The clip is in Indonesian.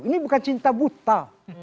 ini bukan cinta buta